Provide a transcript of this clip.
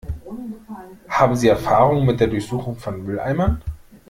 Haben Sie Erfahrung mit der Durchsuchung von Mülleimern?